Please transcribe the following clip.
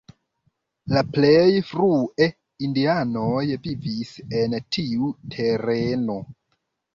La plej frue indianoj vivis en tiu tereno.